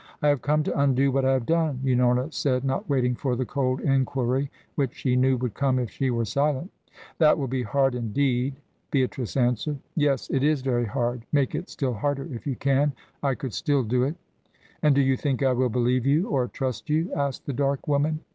"I have come to undo what I have done," Unorna said, not waiting for the cold inquiry which she knew would come if she were silent. "That will be hard, indeed," Beatrice answered. "Yes. It is very hard. Make it still harder if you can, I could still do it." "And do you think I will believe you, or trust you?" asked the dark woman.